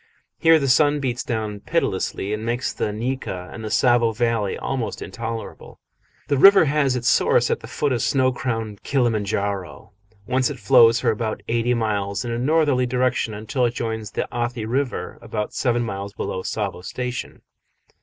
Here the sun beats down pitilessly, and makes the nyika of the Tsavo valley almost intolerable. The river has its source at the foot of snow crowned Kilima N'jaro, whence it flows for about eighty miles in a northerly direction until it joins the Athi River, about seven miles below Tsavo Station.